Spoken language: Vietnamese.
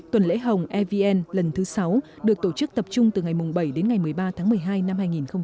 tuần lễ hồng evn lần thứ sáu được tổ chức tập trung từ ngày bảy đến ngày một mươi ba tháng một mươi hai năm hai nghìn một mươi chín